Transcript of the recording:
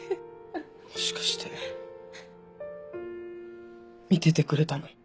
もしかして見ててくれたの？